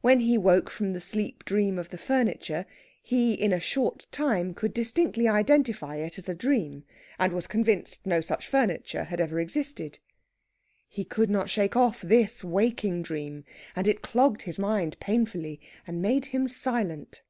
When he woke from the sleep dream of the furniture, he in a short time could distinctly identify it as a dream, and was convinced no such furniture had ever existed. He could not shake off this waking dream, and it clogged his mind painfully, and made him silent.